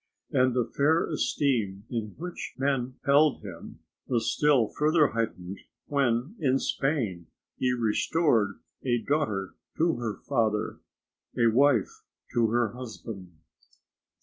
And the fair esteem in which men held him, was still further heightened when in Spain he restored a daughter to her father, a wife to her husband.